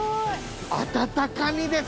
温かみです！